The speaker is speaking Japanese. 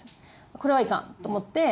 これはイカン！と思って。